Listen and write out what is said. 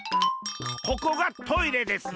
ここがトイレです。